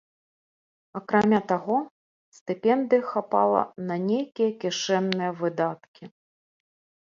Акрамя таго, стыпендыі хапала на нейкія кішэнныя выдаткі.